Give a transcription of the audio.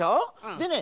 でね